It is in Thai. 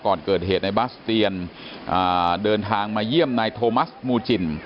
ก่อนเกิดเหตุในบาสเตียนเดินทางมาเยี่ยมนายโทมัสมูจิน